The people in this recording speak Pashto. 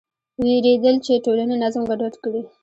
وېرېدل چې ټولنې نظم ګډوډ کړي.